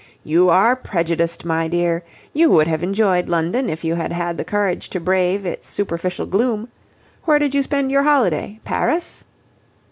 "You are prejudiced, my dear. You would have enjoyed London if you had had the courage to brave its superficial gloom. Where did you spend your holiday? Paris?"